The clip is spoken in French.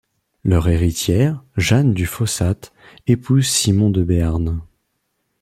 Leur héritière, Jeanne du Fossat épouse Simon de Béarn.